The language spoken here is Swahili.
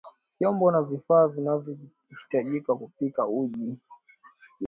Vyombo na vifaa vinavyahitajika kupika uji wa viazi lishe